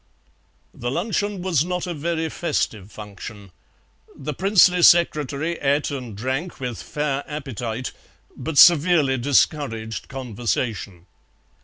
The luncheon was not a very festive function. The princely secretary ate and drank with fair appetite, but severely discouraged conversation.